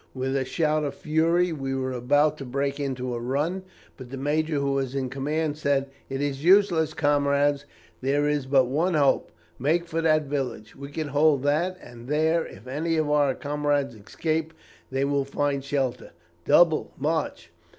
With a shout of fury we were about to break into a run, but the major who was in command said, 'It is useless, comrades. There is but one hope. Make for that village. We can hold that; and there, if any of our comrades escape, they will find shelter. Double, march.'